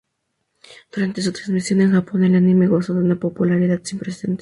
Durante su transmisión en Japón, el anime gozó de una popularidad sin precedentes.